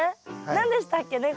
何でしたっけね